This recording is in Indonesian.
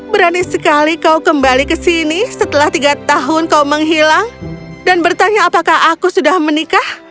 berani sekali kau kembali ke sini setelah tiga tahun kau menghilang dan bertanya apakah aku sudah menikah